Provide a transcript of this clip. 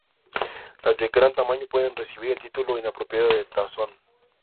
Las de gran tamaño pueden recibir el título inapropiado de tazón.